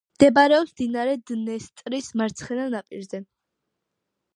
მდებარეობს მდინარე დნესტრის მარცხენა ნაპირზე.